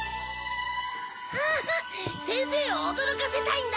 先生を驚かせたいんだ！